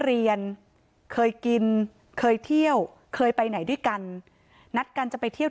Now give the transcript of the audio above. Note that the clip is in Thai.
เรียนเคยกินเคยเที่ยวเคยไปไหนด้วยกันนัดกันจะไปเที่ยว